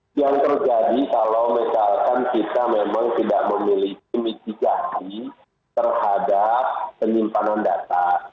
hahaha inilah yang terjadi kalau misalkan kita memang tidak memiliki mitik jati terhadap penyimpanan data